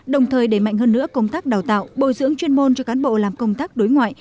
đồng thời đẩy mạnh hơn nữa công tác đào tạo bồi dưỡng chuyên môn cho cán bộ làm công tác đối ngoại